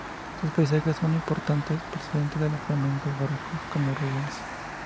Sus paisajes son un importante precedente de los flamencos barrocos como Rubens.